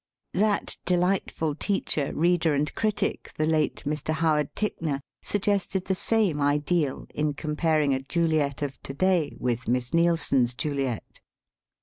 That delightful teach er, reader, and critic, the late Mr. Howard Ticknor, suggested the same ideal in com paring a Juliet of to day with Miss Neil son's Juliet.